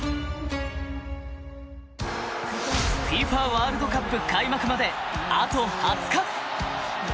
ワールドカップ開幕まであと２０日！